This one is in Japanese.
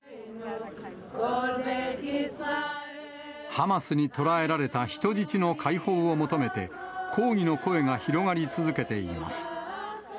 ハマスに捕らえられた人質の解放を求めて、抗議の声が広がり続けています。